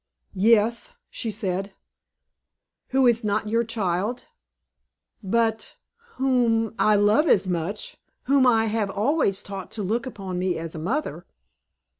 "Yes," she said. "Who is not your child." "But whom I love as such; whom I have always taught to look upon me as a mother."